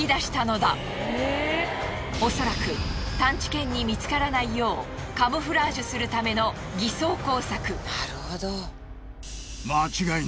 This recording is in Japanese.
恐らく探知犬に見つからないようカムフラージュするための偽装工作。